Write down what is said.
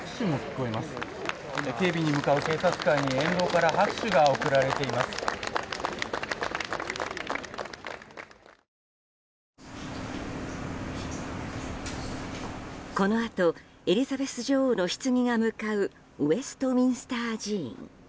このあとエリザベス女王のひつぎが向かうウェストミンスター寺院。